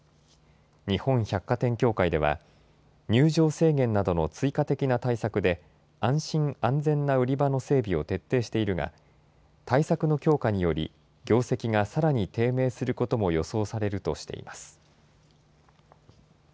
日本百貨店協会では、入場制限などの追加的な対策で、安心・安全な売り場の整備を徹底しているが、対策の強化により、業績がさらに低迷することも予想されるとしています。